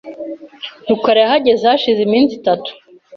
rukara yahageze hashize iminsi itatu .